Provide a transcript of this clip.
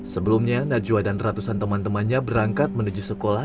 sebelumnya najwa dan ratusan teman temannya berangkat menuju sekolah